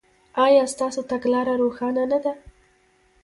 ایا ستاسو تګلاره روښانه نه ده؟